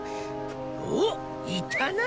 おっいたな。